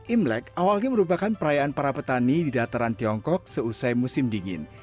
imlek awalnya merupakan perayaan para petani di dataran tiongkok seusai musim dingin